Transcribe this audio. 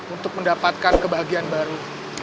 untuk mendapatkan kebahagiaan baru